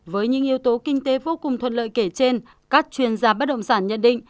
với những yếu tố kinh tế vô cùng thuận lợi kể trên các chuyên gia bất động sản nhận định